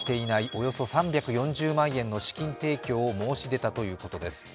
およそ３４０万円の資金提供を申し出たということです。